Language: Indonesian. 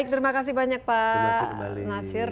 terima kasih banyak pak nasir